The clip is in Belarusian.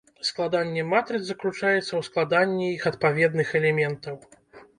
Складанне матрыц заключаецца ў складанні іх адпаведных элементаў.